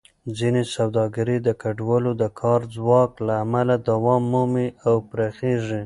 ځینې سوداګرۍ د کډوالو د کار ځواک له امله دوام مومي او پراخېږي.